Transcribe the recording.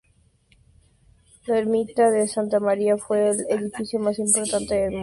La Ermita de Santa María fue el edificio más importante del municipio.